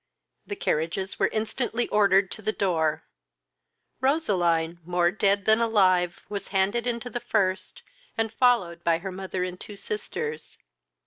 The carriages were instantly order to the door. Roseline, more dead than alive, was handed into the first, and followed by her mother and two sisters.